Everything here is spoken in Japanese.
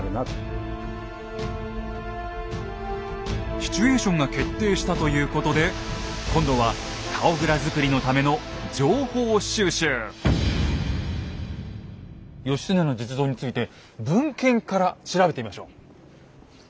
シチュエーションが決定したということで今度は義経の実像について文献から調べてみましょう。